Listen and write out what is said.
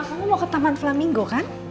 pa kamu mau ke taman flamingo kan